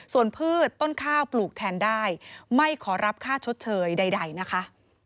ส่วนพืชต้นข้าวปลูกแทนได้ไม่ขอรับค่าชดเชยใดนะคะ